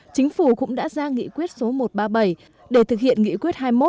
chính phủ cũng đã ra nghị quyết số một trăm ba mươi bảy để thực hiện nghị quyết hai mươi một